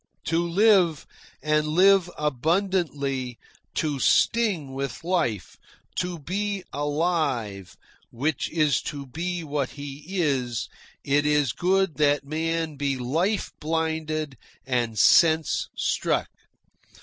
To live, and live abundantly, to sting with life, to be alive (which is to be what he is), it is good that man be life blinded and sense struck.